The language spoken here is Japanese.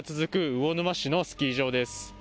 魚沼市のスキー場です。